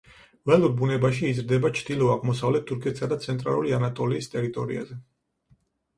ველურ ბუნებაში იზრდება ჩრდილო-აღმოსავლეთ თურქეთსა და ცენტრალური ანატოლიის ტერიტორიაზე.